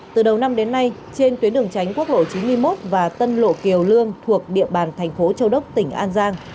từ đầu năm đến nay trên tuyến đường tránh quốc lộ chín mươi một và tân lộ kiều lương thuộc địa bàn thành phố châu đốc tỉnh an giang